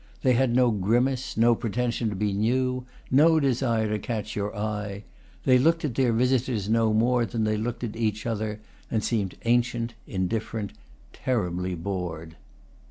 They had no grimace, no pretension to be new, no desire to catch your eye. They looked at their visitors no more than they looked at each other, and seemed ancient, indifferent, terribly bored.